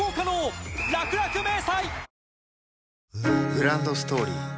グランドストーリー